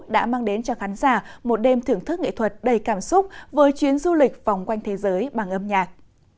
đã mang đến cho khán giả một đêm thưởng thức nghệ thuật đầy cảm xúc với chuyến du lịch vòng quanh thế giới bằng âm nhạc